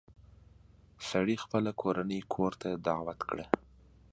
سړي خپله کورنۍ کور ته دعوت کړه.